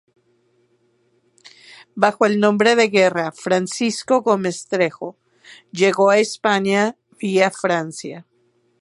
Bajo el nombre de guerra "Francisco Gómez Trejo" llegó a España vía Francia.